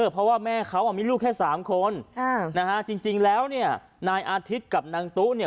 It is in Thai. เพราะว่าแม่เขามีลูกแค่สามคนจริงแล้วนายอาทิตย์กับนางตุ๊ก